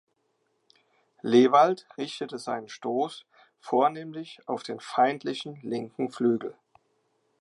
Lehwaldt richtete seinen Stoß vornehmlich auf den feindlichen linken Flügel.